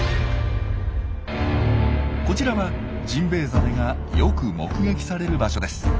こちらはジンベエザメがよく目撃される場所です。